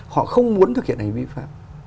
họ không muốn thực hiện hành vi vi phạm